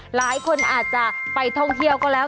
หลายคนอาจจะไปท่องเที่ยวก็แล้ว